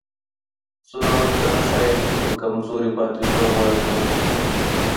زورور ته نه ښایي چې په کمزوري باندې زور وازمایي.